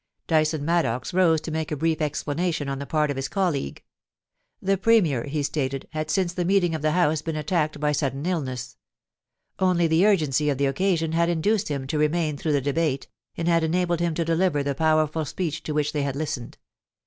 Dyson Maddox rose to make a brief explanation on the part of his colleague. The Premier, he stated, had since the meeting of the House been attacked by sudden illness. Only the urgency of the occasion had induced him to re THE IMPEACHMENT OF THE PREMIER. 4" main through the debate, and had enabled him to deliver the powerful speech to which they had listened.